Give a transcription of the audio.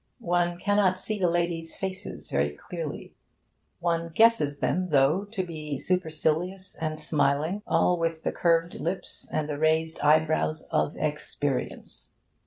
One cannot see the ladies' faces very clearly. One guesses them, though, to be supercilious and smiling, all with the curved lips and the raised eyebrows of Experience.